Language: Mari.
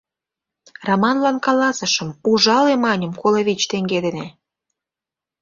Раманлан каласышым: ужале, маньым, коло вич теҥге дене...